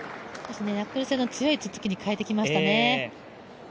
ナックル性の強いつつきに変えてきましたね。